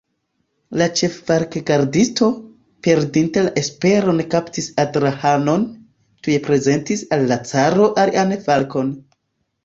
La ĉeffalkgardisto, perdinte la esperon kapti Adrahanon, tuj prezentis al la caro alian falkon.